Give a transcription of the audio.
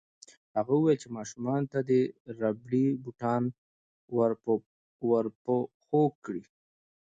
هغه وویل چې ماشومانو ته دې ربړي بوټان ورپه پښو کړي